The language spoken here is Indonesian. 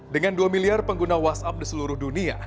dengan dua miliar pengguna whatsapp di seluruh dunia